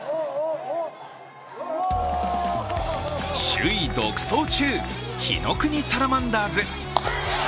首位独走中、火の国サラマンダーズ。